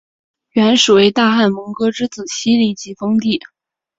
元时为大汗蒙哥之子昔里吉封地。